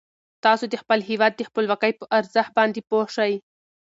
تاسو د خپل هیواد د خپلواکۍ په ارزښت باندې پوه شئ.